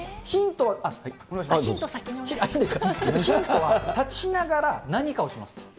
ヒントは立ちながら何かをします。